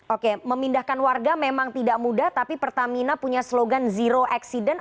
oke memindahkan warga memang tidak mudah tapi pertamina punya slogan zero accident